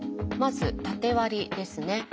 まず縦割りですね。